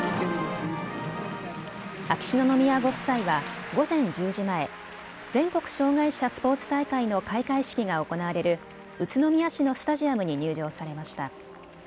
秋篠宮ご夫妻は午前１０時前、全国障害者スポーツ大会の開会式が行われる宇都宮市のスタジアムに入場されました。